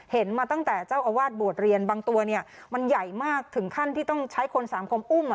เห็นมาตั้งแต่เจ้าอาวาสบวชเรียนบางตัวเนี่ยมันใหญ่มากถึงขั้นที่ต้องใช้คนสามคมอุ้ม